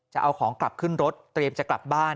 จะเอาของกลับขึ้นรถเตรียมจะกลับบ้าน